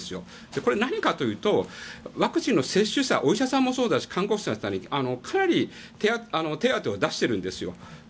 これは何かというとワクチンの接種者お医者さんもそうだし看護師さんもそうだしかなり手当を出しているんですよ。